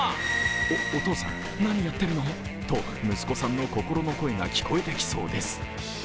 お、お父さん、何やってるの？と息子さんの心の声が聞こえてきそうです。